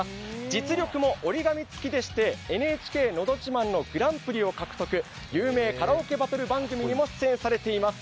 実力も折り紙つきでして「ＮＨＫのど自慢」のグランプリを獲得有名カラオケバトル番組にも出演されています。